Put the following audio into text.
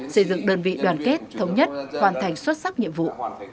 xây dựng đơn vị đoàn kết thống nhất hoàn thành xuất sắc nhiệm vụ